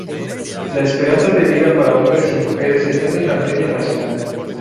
La esperanza de vida para hombres y mujeres está en la media nacional.